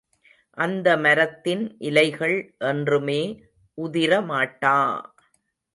அந்த மரத்தின் இலைகள் என்றுமே உதிரமாட்டா!